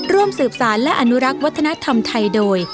ร่วมสืบสารและอนุรักษ์วัฒนธรรมไทยโดย